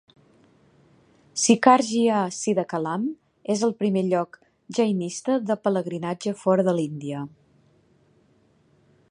Shikharji a Siddhachalam és el primer lloc jainista de pelegrinatge fora de l'Índia.